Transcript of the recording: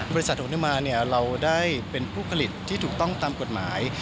โฮนุมานเราได้เป็นผู้ผลิตที่ถูกต้องตามกฎหมาย